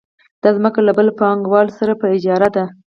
دا ځمکه له بل پانګوال سره په اجاره ده